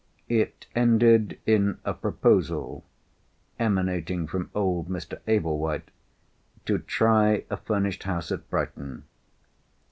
It ended in a proposal, emanating from old Mr. Ablewhite, to try a furnished house at Brighton.